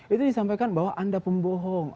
itu disampaikan bahwa anda pembohong